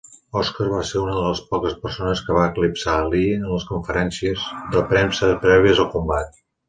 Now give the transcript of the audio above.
Oscar va ser una de les poques persones que va eclipsar Ali en les conferències de premsa prèvies al combat.